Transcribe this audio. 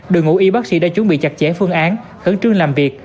đội ngũ y bác sĩ đã chuẩn bị chặt chẽ phương án khẩn trương làm việc